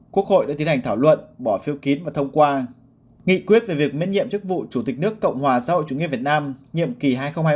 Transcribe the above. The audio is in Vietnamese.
xem xét miết nhiệm chức vụ chủ tịch nước cộng hòa xã hội chủ nghĩa việt nam nhiệm kỳ hai nghìn hai mươi một hai nghìn hai mươi sáu